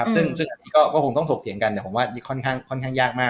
ซึ่งก็คงต้องถกเถียงกันแต่ผมว่าค่อนข้างยากมาก